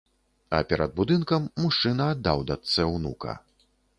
А перад будынкам мужчына аддаў дачцэ ўнука.